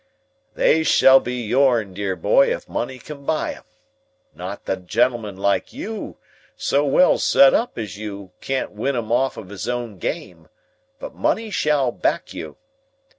"They shall be yourn, dear boy, if money can buy 'em. Not that a gentleman like you, so well set up as you, can't win 'em off of his own game; but money shall back you!